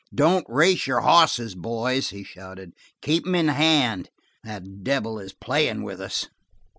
"Don't race your hosses, boys," he shouted. "Keep 'em in hand. That devil is playing with us."